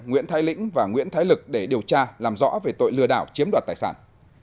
nguyễn thái lĩnh và nguyễn thái lực để điều tra làm rõ về tội lừa đảo chiếm đoạt tài sản